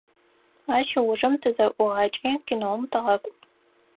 Ащ ыужым тызэӀугъакӀи, киноум тыгъакӀу.